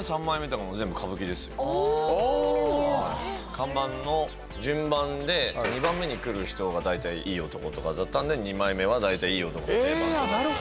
看板の順番で２番目に来る人が大体いい男とかだったので二枚目はいい男が定番なんです。